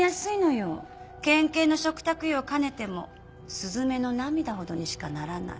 県警の嘱託医を兼ねてもすずめの涙ほどにしかならない。